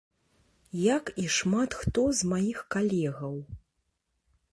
Як і шмат хто з маіх калегаў.